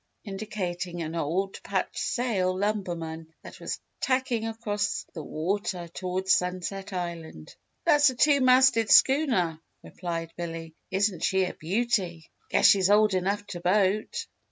indicating an old patched sail lumberman that was tacking across the water toward Sunset Island. "That's a two masted schooner," replied Billy. "Isn't she a beauty? Guess she's old enough to vote."